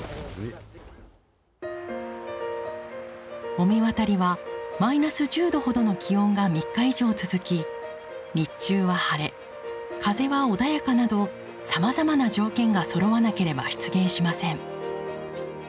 御神渡りはマイナス１０度ほどの気温が３日以上続き日中は晴れ風は穏やかなどさまざまな条件がそろわなければ出現しません。